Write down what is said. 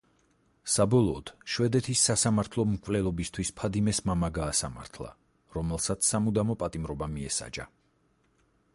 საბოლოოდ, შვედეთის სასამართლომ მკვლელობისთვის ფადიმეს მამა გაასამართლა, რომელსაც სამუდამო პატიმრობა მიესაჯა.